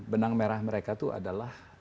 benang merah mereka itu adalah